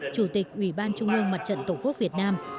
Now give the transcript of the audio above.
chủ tịch ủy ban trung ương mặt trận tổ quốc việt nam